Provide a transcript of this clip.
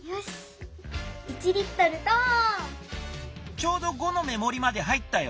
ちょうど５の目もりまで入ったよ。